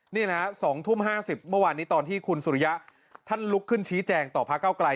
นี่นะ๒ทุ่ม๕๐เมื่อวานนี้ตอนที่คุณสุริยะท่านลุกขึ้นชี้แจงต่อพระเก้าไกล